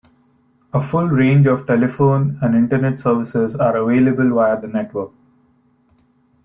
A full range of telephone and Internet services are available via the network.